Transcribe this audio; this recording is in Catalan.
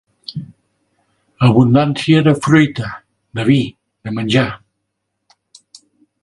Abundància de fruita, de vi, de menjar.